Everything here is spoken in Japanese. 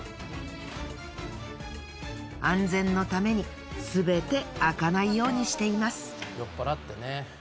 安全のためにすべて開かないようにしています。